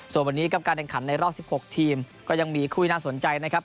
ส่วนวันนี้กับการแข่งขันในรอบ๑๖ทีมก็ยังมีคู่ที่น่าสนใจนะครับ